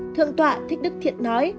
thượng tọa thích đức thiện nói